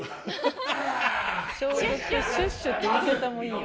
消毒シュッシュって言い方もいいよね。